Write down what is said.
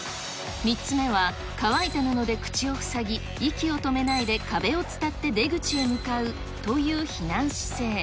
３つ目は、乾いた布で口を塞ぎ、息を止めないで壁をつたって出口へ向かうという避難姿勢。